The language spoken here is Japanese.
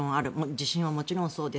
地震ももちろんそうです。